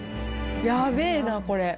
やべーな、これ。